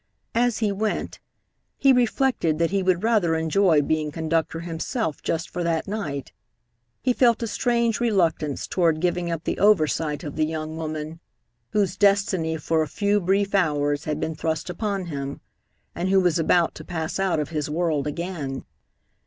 As he went, he reflected that he would rather enjoy being conductor himself just for that night. He felt a strange reluctance toward giving up the oversight of the young woman whose destiny for a few brief hours had been thrust upon him, and who was about to pass out of his world again.